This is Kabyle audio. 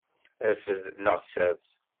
Rfed neɣ sers.